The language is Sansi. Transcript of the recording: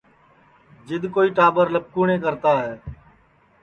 جِد کوئی ٽاٻرَ لپکُﯡنیں کرتا ہے